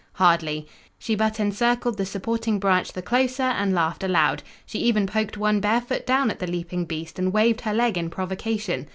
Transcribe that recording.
Hardly! She but encircled the supporting branch the closer, and laughed aloud. She even poked one bare foot down at the leaping beast, and waved her leg in provocation.